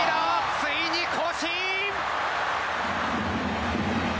ついに更新」